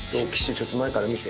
ちょっと前から見て。